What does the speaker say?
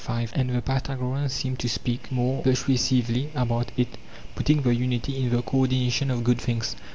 And the Pythagoreans seem to speak more persuasively about it, putting the unity in the co ordination of good things.